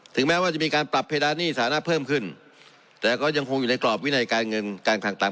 แม้ว่าจะมีการปรับเพดานหนี้สถานะเพิ่มขึ้นแต่ก็ยังคงอยู่ในกรอบวินัยการเงินการคลังต่าง